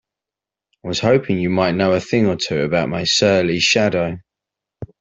I was hoping you might know a thing or two about my surly shadow?